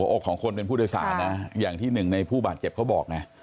อกของคนเป็นผู้โดยสารนะอย่างที่หนึ่งในผู้บาดเจ็บเขาบอกไง